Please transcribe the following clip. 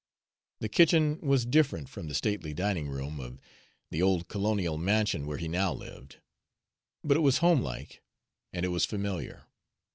The kitchen was different from the stately dining room of the old colonial mansion where he now lived; but it was homelike, and it was familiar.